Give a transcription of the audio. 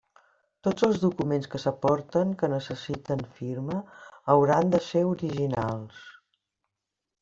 Tots els documents que s'aporten que necessiten firma hauran de ser originals.